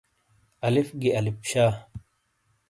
الف گی اَلِپ شاہ۔